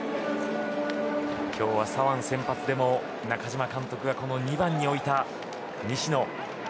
今日は左腕が先発でも中嶋監督が２番に置いた西野。